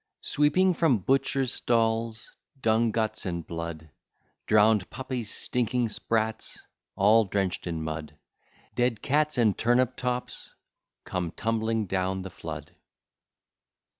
Sweeping from butchers' stalls, dung, guts, and blood, Drown'd puppies, stinking sprats, all drench'd in mud, Dead cats, and turnip tops, come tumbling down the flood.